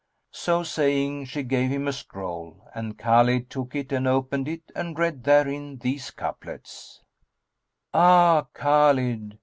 So saying, she gave him a scroll, and Khбlid took it and opened it and read therein these couplets, "Ah Khбlid!